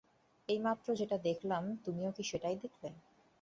এইমাত্র যেটা দেখলাম, তুমিও কি সেটাই দেখলে?